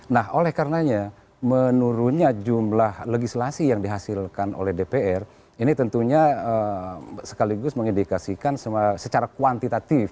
nah oleh karenanya menurunnya jumlah legislasi yang dihasilkan oleh dpr ini tentunya sekaligus mengindikasikan secara kuantitatif